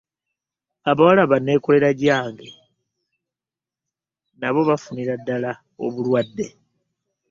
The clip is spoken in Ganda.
abawala ba nneekolera gyange nabo baafunira ddala obulwadde.